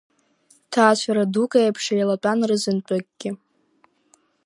Ҭаацәара дук еиԥш, еилатәан рызынтәыкгьы.